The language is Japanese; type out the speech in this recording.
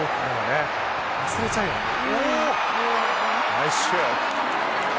ナイスシュート！